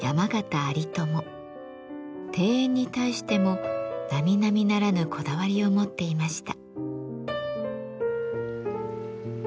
庭園に対してもなみなみならぬこだわりを持っていました。